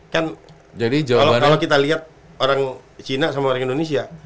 kan kalau kita lihat orang cina sama orang indonesia